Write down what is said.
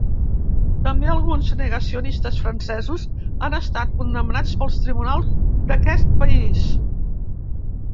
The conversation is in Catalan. També alguns negacionistes francesos han estat condemnats pels tribunals d'aquest país.